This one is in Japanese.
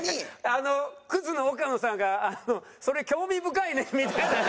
あのクズの岡野さんが「それ興味深いね」みたいな。